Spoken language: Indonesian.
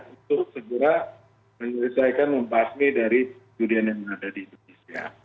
untuk segera menyelesaikan membasmi dari judian yang ada di indonesia